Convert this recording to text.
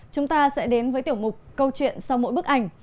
chúng ta sẽ đến với tiểu mục câu chuyện sau mỗi bức ảnh